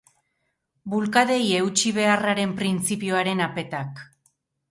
Bulkadei eutsi beharraren printzipioaren apetak.